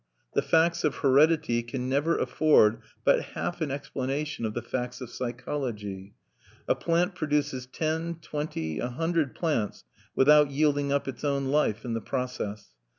The facts of heredity can never afford but half an explanation of the facts of psychology. A plant produces ten, twenty, a hundred plants without yielding up its own life in the process.